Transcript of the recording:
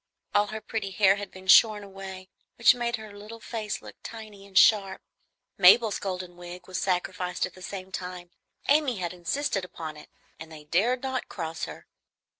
All her pretty hair had been shorn away, which made her little face look tiny and sharp. Mabel's golden wig was sacrificed at the same time. Amy had insisted upon it, and they dared not cross her.